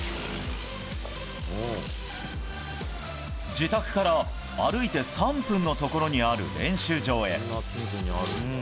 自宅から歩いて３分のところにある練習場へ。